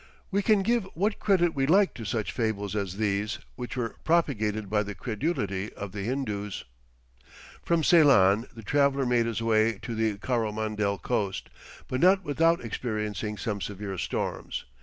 We can give what credit we like to such fables as these, which were propagated by the credulity of the Hindoos. From Ceylon, the traveller made his way to the Coromandel coast, but not without experiencing some severe storms.